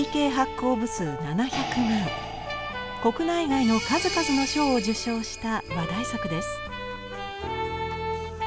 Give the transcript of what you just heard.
国内外の数々の賞を受賞した話題作です。